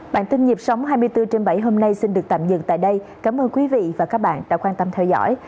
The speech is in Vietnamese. bản tin nhịp sống hai mươi bốn trên bảy hôm nay xin được tạm dừng tại đây cảm ơn quý vị và các bạn đã quan tâm theo dõi